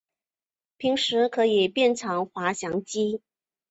平时可以变成滑翔机。